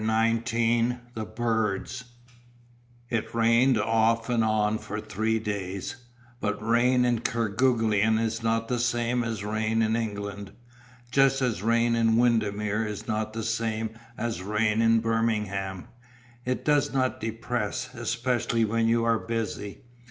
CHAPTER XIX THE BIRDS It rained off and on for three days, but rain in Kerguelen is not the same as rain in England, just as rain at Windmere is not the same as rain at Birmingham. It does not depress, especially when you are busy.